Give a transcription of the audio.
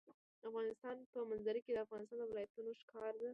د افغانستان په منظره کې د افغانستان ولايتونه ښکاره ده.